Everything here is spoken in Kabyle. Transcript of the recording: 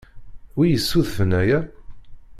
Wi yessudfen aya?